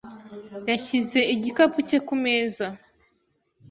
yashyize igikapu cye kumeza.